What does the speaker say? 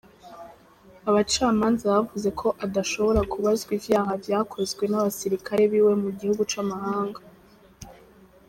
Abacamanza bavuze ko adashobora kubazwa ivyaha vyakozwe n'abasirikare biwe mu gihugu c'amahanga.